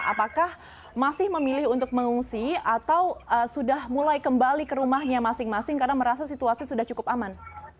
apakah masih memilih untuk mengungsi atau sudah mulai kembali ke rumahnya masing masing karena merasa situasi sudah cukup aman